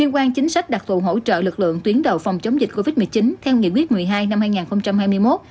quan chính sách đặc thù hỗ trợ lực lượng tuyến đầu phòng chống dịch covid một mươi chín theo nghị quyết một mươi hai năm hai nghìn hai mươi một